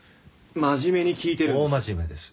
真面目に聞いてるんです。